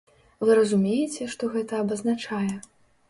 Вы разумееце, што гэта абазначае?